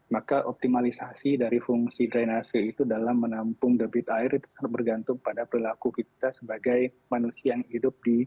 maka optimalisasi dari fungsi drainase itu dalam menampung debit air itu sangat bergantung pada perilaku kita sebagai manusia yang hidup di